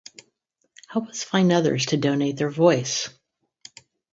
Help us find others to donate their voice!